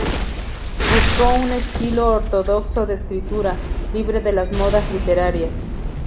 Buscó un estilo ortodoxo de escritura, libre de las modas literarias.